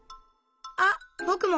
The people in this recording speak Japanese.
あっぼくも！